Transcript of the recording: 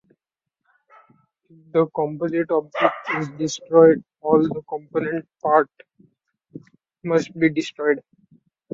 If the composite object is destroyed, all the component parts must be destroyed.